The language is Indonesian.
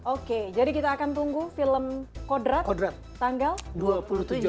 oke jadi kita akan tunggu film kodrat tanggal dua puluh tujuh oktober dua ribu dua puluh dua di bioskop indonesia